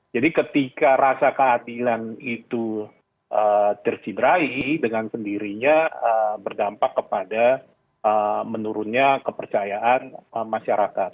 jadi ketika rasa keadilan itu terciberai dengan kendirinya berdampak kepada menurunnya kepercayaan masyarakat